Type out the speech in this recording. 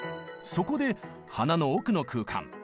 そこで鼻の奥の空間